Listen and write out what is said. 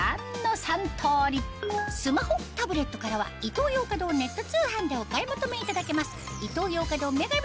スマホタブレットからはイトーヨーカドーネット通販でお買い求めいただけます